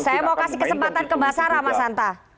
saya mau kasih kesempatan ke mbak sara masanta